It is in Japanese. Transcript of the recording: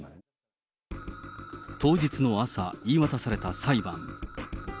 当日の朝、言い渡された裁判。